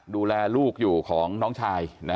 ดูแลลูกอยู่ของน้องชาย